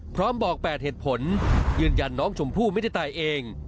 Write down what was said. พร้อมบอก๘เหตุผลยืนยันน้องชมพู่ไม่ได้ตายเอง